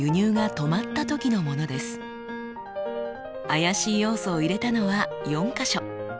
怪しい要素を入れたのは４か所。